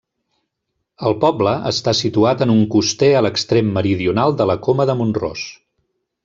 El poble està situat en un coster a l'extrem meridional de la Coma de Mont-ros.